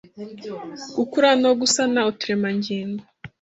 gukura no gusana uturemangingo,